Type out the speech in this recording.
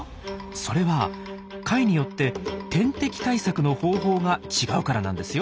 それは貝によって天敵対策の方法が違うからなんですよ。